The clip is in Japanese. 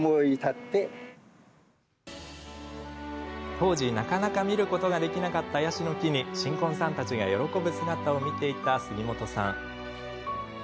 当時、なかなか見ることができなかったヤシの木に新婚さんたちが喜ぶ姿を見ていた杉本さん。